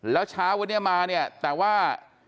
แล้วเช้าวันนี้มาเนี่ยแต่ว่า